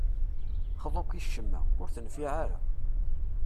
Xḍu-k i ccemma, ur tenfiɛ ara.